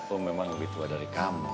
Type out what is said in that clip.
oh memang lebih tua dari kamu